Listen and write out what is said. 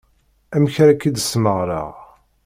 Amek ara k-id-smeɣreɣ.